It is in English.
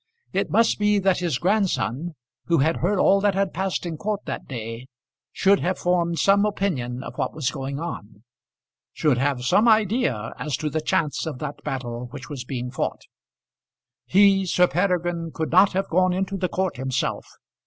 It must be that his grandson, who had heard all that had passed in court that day, should have formed some opinion of what was going on, should have some idea as to the chance of that battle which was being fought. He, Sir Peregrine, could not have gone into the court himself.